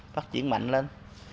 phát triển mạnh lên